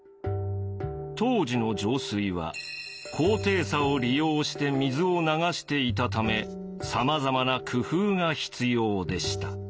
当時の上水は高低差を利用して水を流していたためさまざまな工夫が必要でした。